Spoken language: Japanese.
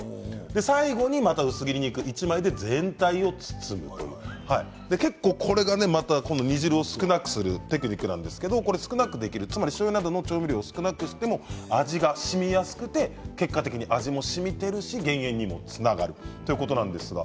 最後にまた薄切り肉１枚で全体を包む、これが結構煮汁を少なくするテクニックなんですが少なくできるしょうゆなどの調味料を少なくしても味がしみやすく結果的に味もしみている減塩にもつながるということなんです。